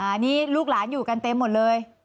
อันนี้ลูกหลานอยู่กันเต็มหมดเลย